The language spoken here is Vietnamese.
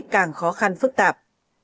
càng khó khăn phức tạp